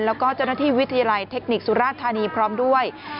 แล้วก็เจ้าหน้าที่วิทยาลัยเทคนิคสุราชธานีพร้อมด้วย